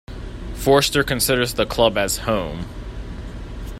Forster considers the club as "home".